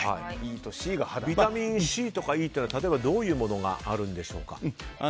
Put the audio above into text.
ビタミンＣとかＥというのは例えばどういうものがあるんでしょうか。